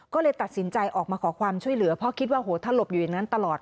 ก็เลยตัดสินใจออกมาขอความช่วยเหลือเพราะคิดว่าถ้าหลบอยู่อย่างนั้นตลอด